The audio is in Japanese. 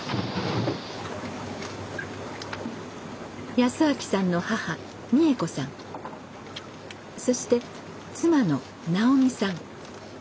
康明さんの母美恵子さんそして妻の直美さん。